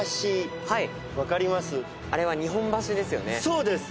そうです！